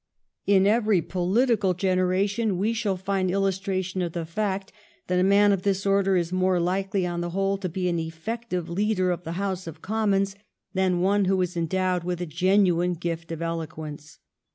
In every political genera tion we shall find illustration of the fact that a man of this order is more likely, on the whole, to be an effective leader of the House of Commons than one who is endowed with a genuine gift of eloquence.